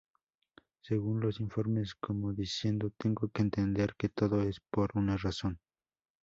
Según los informes, como diciendo "tengo que entender que todo es por una razón.